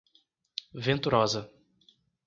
Venturosa